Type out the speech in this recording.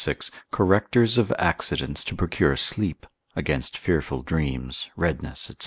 —_Correctors of Accidents to procure Sleep. Against fearful Dreams, Redness, &c.